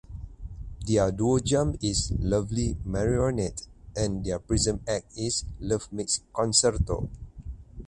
Their duo jump is "Lovely Marionette" and their Prism act is "Love Mix Concerto".